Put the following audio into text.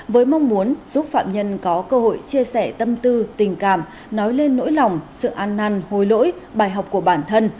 với mong muốn giúp phạm nhân có cơ hội chia sẻ tâm tư tình cảm nói lên nỗi lòng sự an năn hồi lỗi bài học của bản thân